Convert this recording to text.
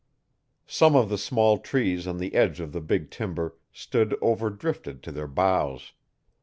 Some of the small trees on the edge of the big timber stood overdrifted to their boughs.